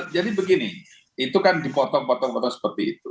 jadi begini itu kan dipotong potong potong seperti itu